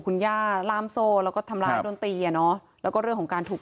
คุณย่าล่ามโซ่แล้วก็ทำร้ายโดนตีอ่ะเนอะแล้วก็เรื่องของการถูก